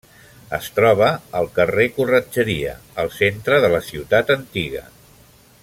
Es troba al carrer Corretgeria, al centre de la ciutat antiga.